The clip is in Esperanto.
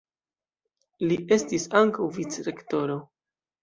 Li estis ankaŭ vicrektoro.